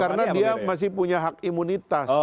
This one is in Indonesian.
karena dia masih punya hak imunitas